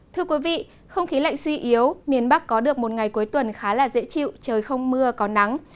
thưa quý vị không khí lạnh suy yếu miền bắc có được một ngày cuối tuần khá là dễ chịu trời không mưa có nắng